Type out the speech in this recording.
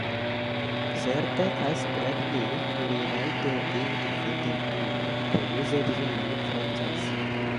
Sir-Tech asked Bradley to rewrite the game to fit into the "Wizardry" franchise.